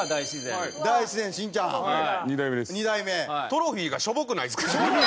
トロフィーがしょぼくないですか？